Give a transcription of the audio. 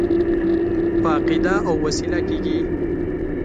په عقیده او وسیله کېږي.